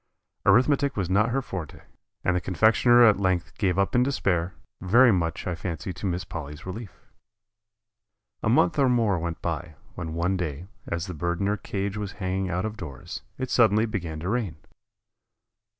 Arithmetic was not her forte, and the confectioner at length gave up in despair, very much I fancy to Miss Polly's relief. A month or more went by, when one day, as the bird in her cage was hanging out of doors, it suddenly began to rain.